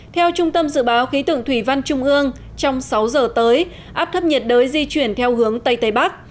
theo trung tâm dự báo khí tượng thủy văn trung ương trong sáu giờ tới áp thấp nhiệt đới di chuyển theo hướng tây tây bắc